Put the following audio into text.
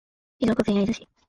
静岡県焼津市